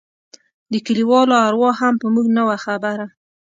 د کليوالو اروا هم په موږ نه وه خبره.